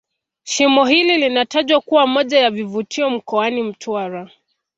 Shimo hili linalotajwa kuwa moja ya vivutio mkoani Mtwara